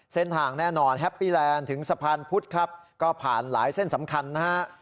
เส้นทางแน่นอนแฮปปี้แลนด์ถึงสะพานพุธครับก็ผ่านหลายเส้นสำคัญนะฮะ